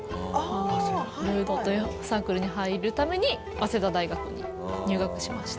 ＬＵＤＯというサークルに入るために早稲田大学に入学しました。